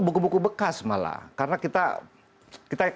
buku buku bekas malah karena kita